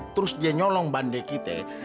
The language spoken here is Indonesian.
terus dia nyolong bande kita